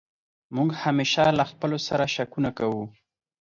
موږ همېشه له خپلو سر شکونه کوو.